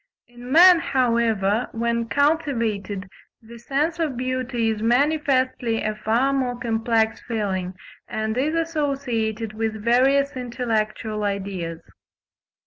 In man, however, when cultivated, the sense of beauty is manifestly a far more complex feeling, and is associated with various intellectual ideas.